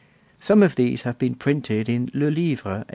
Some of these have been printed in Le Livre, 1887.